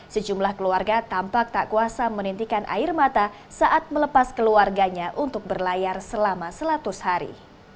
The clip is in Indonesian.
sejumlah keluarga tampak tak kuasa menintikan air mata saat melepas keluarganya untuk berlayar selama seratus hari